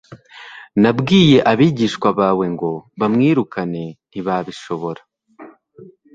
nabwiye abigishwa bawe ngo bamwirukane, ntibabishobora. »